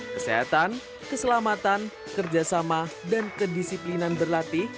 kesehatan keselamatan kerjasama dan kedisiplinan berlatih